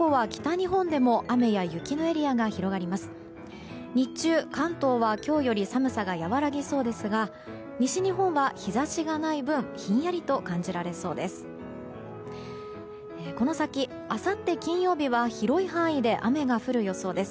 日中、関東は今日より寒さが和らぎそうですが西日本は日差しがない分ひんやりと感じられそうです。